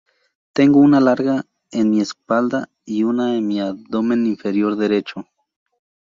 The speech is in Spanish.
Tengo una larga en mi espalda, y una en mi abdomen inferior derecho"".